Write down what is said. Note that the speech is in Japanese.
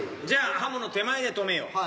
じゃあ刃物手前で止めよう。